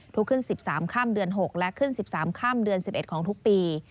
ทุกขึ้น๑๓ค่ำเดือน๖และขึ้น๑๓ค่ำเดือน๑๑ของทุกปี